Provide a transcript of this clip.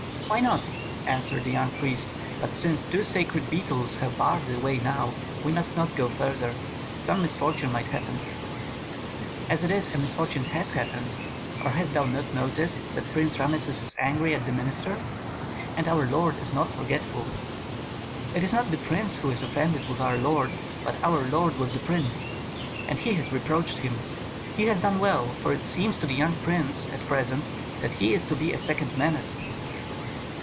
"Why not?" answered the young priest. "But since two sacred beetles have barred the way now, we must not go farther; some misfortune might happen." "As it is, a misfortune has happened. Or hast thou not noticed that Prince Rameses is angry at the minister? and our lord is not forgetful." "It is not the prince who is offended with our lord, but our lord with the prince, and he has reproached him. He has done well; for it seems to the young prince, at present, that he is to be a second Menes."